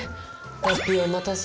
ラッピィお待たせ。